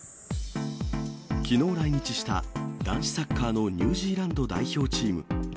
きのう来日した、男子サッカーのニュージーランド代表チーム。